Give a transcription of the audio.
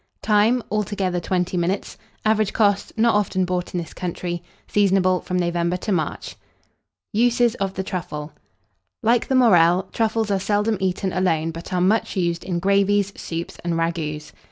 Time. Altogether, 20 minutes. Average cost. Not often bought in this country. Seasonable from November to March. USES OF THE TRUFFLE. Like the Morel, truffles are seldom eaten alone, but are much used in gravies, soups, and ragoûts.